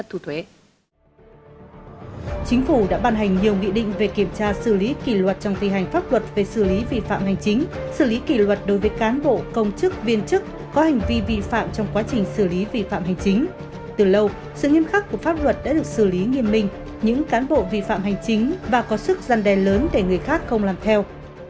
từ lâu sự nghiêm khắc của pháp luật đã được xử lý nghiêm minh những cán bộ vi phạm hành chính và có sức dăn đèn lớn để người khác không làm theo